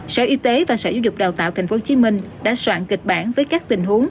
sở y tế và sở giáo dục đào tạo tp hcm đã soạn kịch bản với các tình huống